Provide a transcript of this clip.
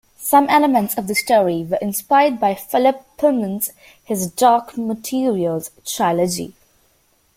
Some elements of the story were inspired by Philip Pullman's "His Dark Materials" trilogy.